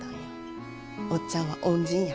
おっちゃんは恩人や。